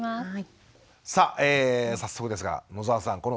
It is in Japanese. さあ早速ですが野沢さん